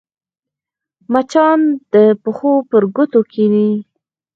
مچان د پښو پر ګوتو کښېني